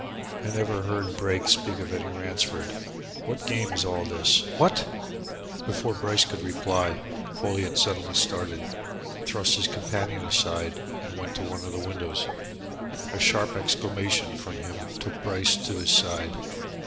I never heard Brake speak of any Ransford! What game is all this? What " Before Bryce could reply, Folliot suddenly started, thrust his companion aside and went to one of the windows. A sharp exclamation from him took Bryce to his side.